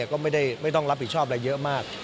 ก็ไม่ต้องรับผิดชอบอะไรเยอะมาก